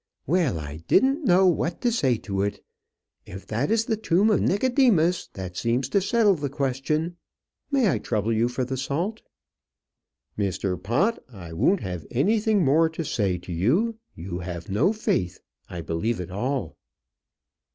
"Well, I didn't know what to say to it. If that is the tomb of Nicodemus, that seems to settle the question. May I trouble you for the salt?" "Mr. Pott, I won't have anything more to say to you; you have no faith. I believe it all."